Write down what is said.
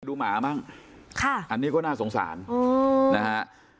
หมามั่งค่ะอันนี้ก็น่าสงสารนะฮะ